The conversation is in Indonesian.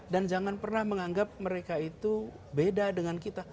dan jangan pernah menganggap mereka itu beda dengan kita